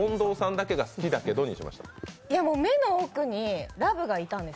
目の奥にラブがいたんです。